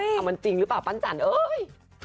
เอ้ยเอามันจริงหรือเปล่าปัญจันเตอร์เอ้ย